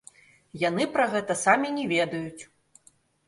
Яны пра гэта самі не ведаюць.